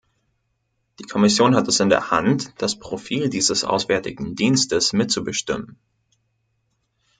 Die Kommission hat es in der Hand, das Profil dieses auswärtigen Dienstes mitzubestimmen.